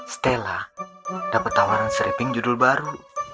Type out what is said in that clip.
stella dapet tawaran striping judul baru